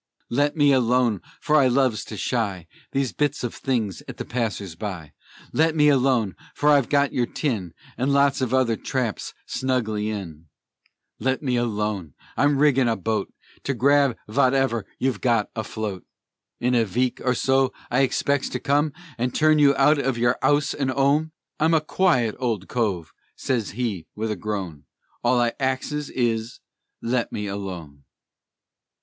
"Let me alone, for I loves to shy These bits of things at the passers by Let me alone, for I've got your tin And lots of other traps snugly in; Let me alone, I'm riggin' a boat To grab votever you've got afloat; In a veek or so I expects to come And turn you out of your 'ouse and 'ome; I'm a quiet Old Cove," says he, with a groan: "All I axes is Let me alone."